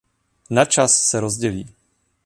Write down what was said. Na čas se rozdělí.